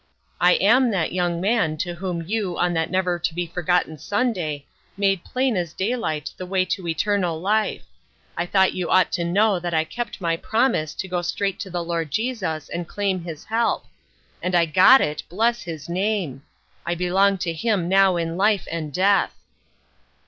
" I am that young man to whom you, on that never to be forgotten Sunday, made plain as day light the way to eternal life. I thought you ought 304 A WAITING WORKER. to know that I kept my promise to go straight to the Lord Jesus and claim his help. And I got it, bless his name ! I belong to Him now in life and death."